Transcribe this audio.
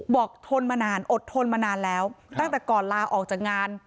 ทนมานานอดทนมานานแล้วตั้งแต่ก่อนลาออกจากงาน